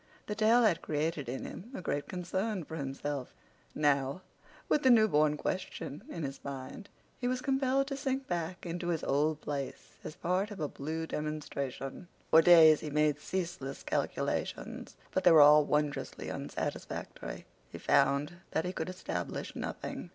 The tale had created in him a great concern for himself. Now, with the newborn question in his mind, he was compelled to sink back into his old place as part of a blue demonstration. For days he made ceaseless calculations, but they were all wondrously unsatisfactory. He found that he could establish nothing.